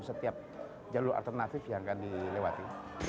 setiap jalur alternatif yang akan dilewati